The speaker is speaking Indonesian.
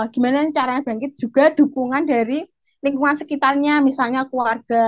gimana caranya bangkit juga dukungan dari lingkungan sekitarnya misalnya keluarga